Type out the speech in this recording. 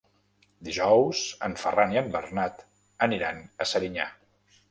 Dijous en Ferran i en Bernat aniran a Serinyà.